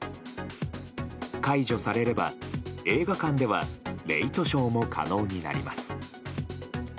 解除されれば映画館ではレイトショーも可能になります。